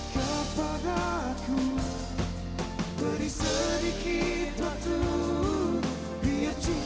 kau buat cemburu seluruh hatiku